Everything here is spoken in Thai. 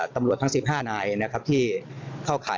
ตำรวจทั้ง๑๕นายที่เข้าขาย